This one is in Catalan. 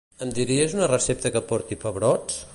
Em diries una recepta que porti pebrots?